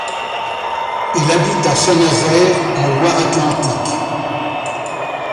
Il habite à Saint-Nazaire en Loire-Atlantique.